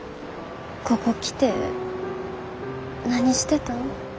ここ来て何してたん？